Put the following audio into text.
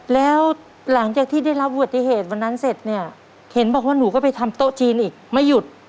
แล้วหลังจากที่ได้รับอุบัติเหตุวันนั้นเสร็จเนี่ยเห็นบอกว่าหนูก็ไปทำโต๊ะจีนอีกไม่หยุด